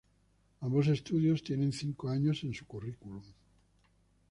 Ambos estudios tienen cinco años en su currículum.